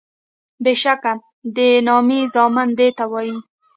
بیشکه د نامي زامن دیته وایي